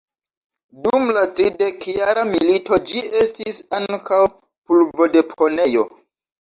Dum la Tridekjara milito ĝi estis ankaŭ pulvodeponejo.